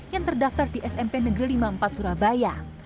yang terdaftar di smp negeri lima puluh empat surabaya